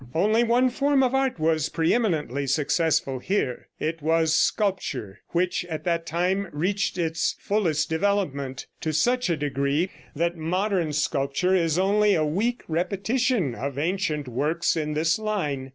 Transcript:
Only one form of art was pre eminently successful here; it was sculpture, which at that time reached its fullest development to such a degree that modern sculpture is only a weak repetition of ancient works in this line.